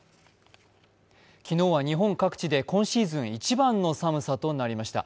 昨日は日本各地で今シーズン一番の寒さとなりました。